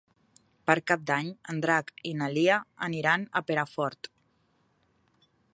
Per Cap d'Any en Drac i na Lia aniran a Perafort.